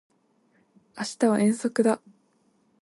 明日は遠足だ